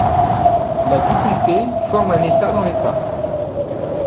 La vicomté forme un État dans l'État.